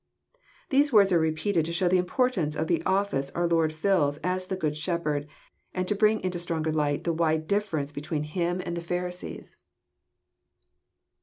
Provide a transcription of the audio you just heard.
'] These words are repeated to show the importance of the office our Lord fills as the Good Shep herd, and to bring into stronger light the wide difference be* tween Him and the Pharisees. 196 EXFQsrrosT thoughts.